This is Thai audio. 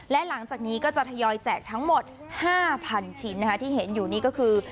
และหลังจากนี้ก็จะทยอยแจกทั้งหมด๕๐๐๐ชิ้นที่เห็นอยู่นี่ก็คือ